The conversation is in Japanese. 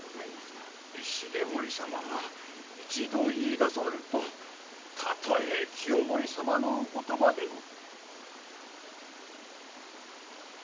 重盛様は一度言いだされるとたとえ清盛様のお言葉でも。